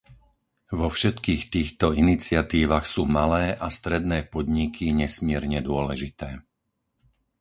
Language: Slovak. Vo všetkých týchto iniciatívach sú malé a stredné podniky nesmierne dôležité.